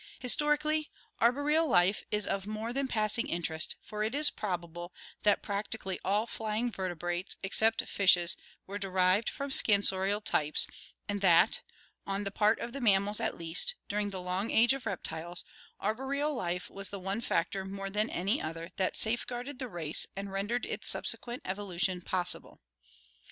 Historically, arboreal life is of more than parsing interest, for it is probable that practically all flying vertebrates, except fishes, were derived from scansorial types and that, on the part of the mammals at least, during the long Age of Reptiles, arboreal life was the one factor more than any other that safeguarded the race and rendered its subsequent evolution possible.